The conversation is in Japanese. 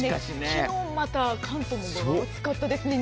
昨日、また関東も暑かったですね。